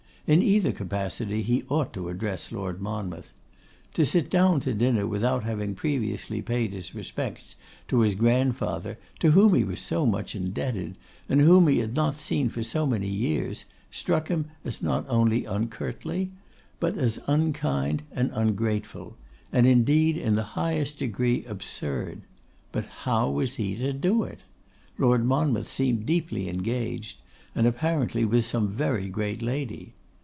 In either capacity he ought to address Lord Monmouth. To sit down to dinner without having previously paid his respects to his grandfather, to whom he was so much indebted, and whom he had not seen for so many years, struck him not only as uncourtly, but as unkind and ungrateful, and, indeed, in the highest degree absurd. But how was he to do it? Lord Monmouth seemed deeply engaged, and apparently with some very great lady.